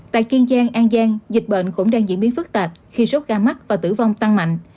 tại kiên giang an giang dịch bệnh cũng đang diễn biến phức tạp khi số ca mắc và tử vong tăng mạnh